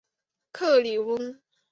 克里翁。